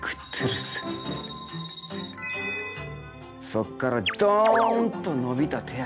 そこからドンと伸びた手足。